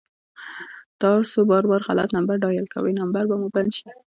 تاسو بار بار غلط نمبر ډائل کوئ ، نمبر به مو بند شي